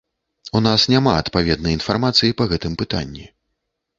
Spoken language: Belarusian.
У нас няма адпаведнай інфармацыі па гэтым пытанні.